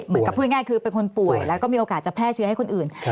พูดง่ายคือเป็นคนป่วยแล้วก็มีโอกาสจะแพร่เชื้อให้คนอื่น